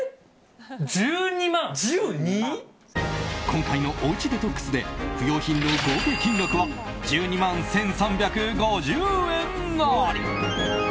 今回のおうちデトックスで不要品の合計金額は１２万１３５０円也。